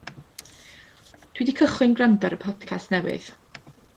Dw i 'di cychwyn gwrando ar y podcast newydd.